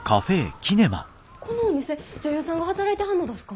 このお店女優さんが働いてはんのだすか？